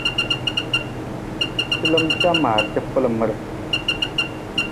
Calam camar cafalamar.